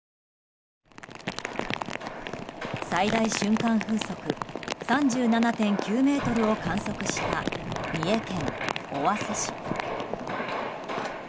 最大瞬間風速３７．９メートルを観測した三重県尾鷲市。